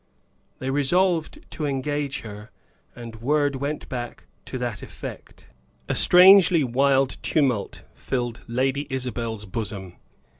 They resolved to engage her, and word went back to that effect. A strangely wild tumult filled Lady Isabel's bosom.